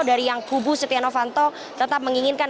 dari yang kubu setia novanto tetap menginginkan